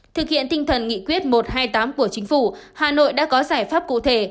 thực hiện tinh thần nghị quyết một trăm hai mươi tám của chính phủ hà nội đã có giải pháp cụ thể